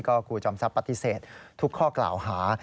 ครูจอมทรัพย์ปฏิเสธทุกข้อกล่าวหา